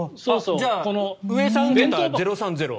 じゃあ、上３桁が０３０？